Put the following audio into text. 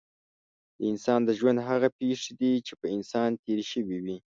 د انسان د ژوند هغه پېښې دي چې په انسان تېرې شوې وي.